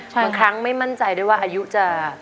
บางครั้งไม่มั่นใจด้วยว่าอายุจะ